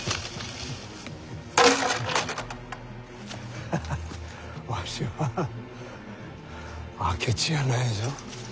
ハハハわしは明智やないぞ。